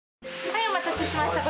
はいお待たせしました。